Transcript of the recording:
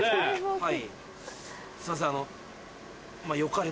はい。